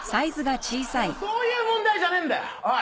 でもそういう問題じゃねえんだよおい！